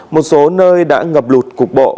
một số nơi đã ngập lụt cục bộ